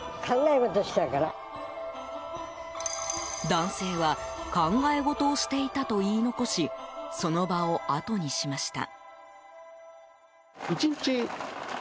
男性は考え事をしていたと言い残しその場をあとにしました。